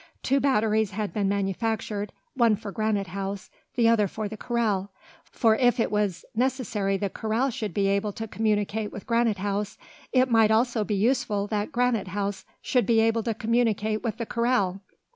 Two batteries had been manufactured, one for Granite House, the other for the corral; for if it was necessary the corral should be able to communicate with Granite House, it might also be useful that Granite House should be able to communicate with the corral.